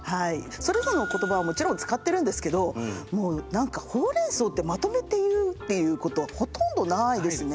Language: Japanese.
それぞれの言葉はもちろん使ってるんですけどもう何かホウ・レン・ソウってまとめてって言うっていうことはほとんどないですね。